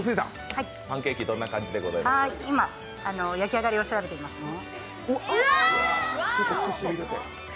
今、焼き上がりを調べてみますね。